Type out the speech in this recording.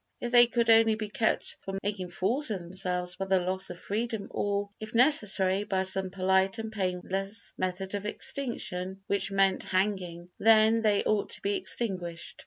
If they could only be kept from making fools of themselves by the loss of freedom or, if necessary, by some polite and painless method of extinction—which meant hanging—then they ought to be extinguished.